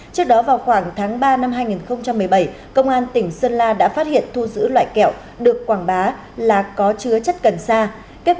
trước đó vào khoảng tháng ba năm hai nghìn một mươi bảy công an tỉnh sơn la đã phát hiện thu giữ loại kẹo được quảng bá là có chứa chất cần sa